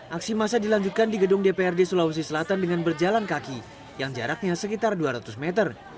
aksi masa dilanjutkan di gedung dprd sulawesi selatan dengan berjalan kaki yang jaraknya sekitar dua ratus meter